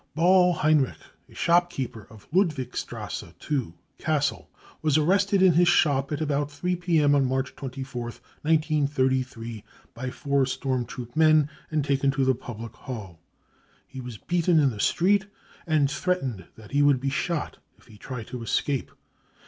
cc Ball, Heinrich, a shopkeeper of Ludwigstrasse 2, Cassel, was arrested in his shop at about 3 p.m. on March 24th, 1933, by four storm troop men, and taken to the public hall. He was beaten in the street, and threatened that he would be shot if he tried to escape.